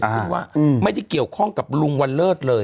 ซึ่งว่าไม่ได้เกี่ยวข้องกับลุงวันเลิศเลย